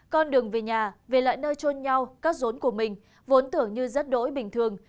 con đường về nhà về lại nơi trôn nhau cắt rốn của mình vốn tưởng như rất đỗi bình thường